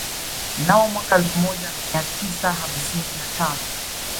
Mnamo mwaka wa elfu moja mia tisa hamsini na tano